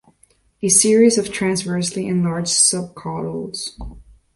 A series of transversely enlarged subcaudals.